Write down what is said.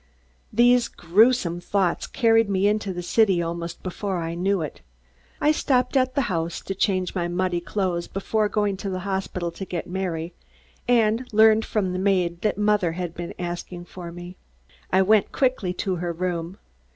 These gruesome thoughts carried me into the city almost before I knew it. I stopped at the house to change my muddy clothes, before going to the hospital to get Mary, and learned from the maid that mother had been asking for me. I went quickly to her room.